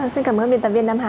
xin cảm ơn biên tập viên nam hà